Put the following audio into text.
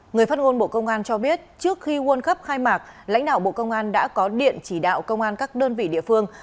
người phát ngôn bộ công an cho biết trước khi world cup khai mạc lãnh đạo bộ công an đã có điện chỉ đạo công an các đơn vị địa phương